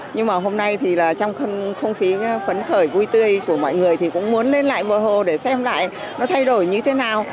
nhưng mà hôm nay thì là trong không khí phấn khởi vui tươi của mọi người thì cũng muốn lên lại mọi hồ để xem lại nó thay đổi như thế nào